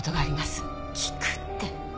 聞くって。